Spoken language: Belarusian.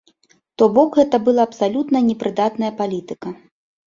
То бок гэта была абсалютна непрыдатная палітыка.